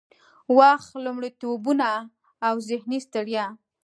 وخت، لومړيتوبونه او ذهني ستړيا